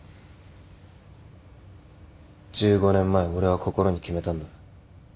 １５年前俺は心に決めたんだ。